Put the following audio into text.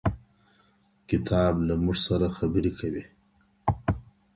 کتاب له موږ سره خبري کوي.